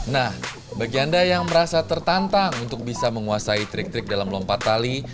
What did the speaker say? nah bagi anda yang merasa tertantang untuk bisa menguasai trik trik dalam lompat tali